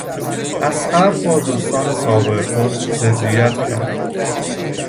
اصغر با دوستان سابق خود ضدیت کرد.